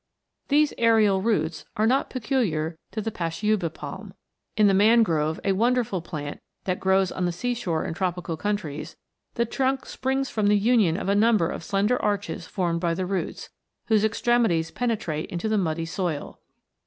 "* These aerial roots are not peculiar to the pa shiuba palm. In the mangrove, a wonderful plant that grows on the sea shore in tropical countries, the trunk springs from the union of a number of slender arches formed by the roots, whose extremi * Wallace's "Palms of the Amazon." 238 WONDERFUL PLANTS. ties penetrate into the muddy soil.